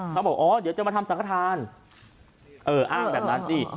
เขาบอกอ๋อเดี๋ยวจะมาทำสังฆฐานเอออ้างแบบนั้นสิ